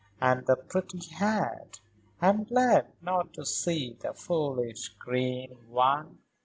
And the pretty hat! I am glad not to see the foolish green one."